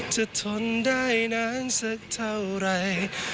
ทนได้นานสักเท่าไร